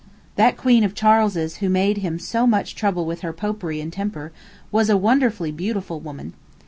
That queen of Charles's who made him so much trouble with her Popery and temper was a wonderfully beautiful woman.